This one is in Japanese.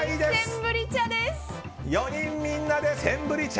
４人みんなでセンブリ茶！